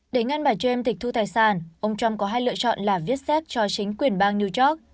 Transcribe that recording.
để ngăn bà james tịch thu tài sản ông trump có hai lựa chọn là viết xét cho chính quyền bang new york